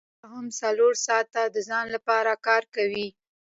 کارګر بیا هم څلور ساعته د ځان لپاره کار کوي